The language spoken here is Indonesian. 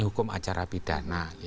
hukum acara pidana